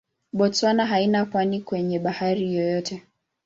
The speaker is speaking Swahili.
Botswana haina pwani kwenye bahari yoyote.